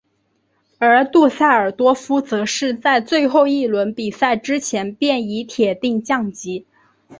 而杜塞尔多夫则是在最后一轮比赛之前便已铁定降级。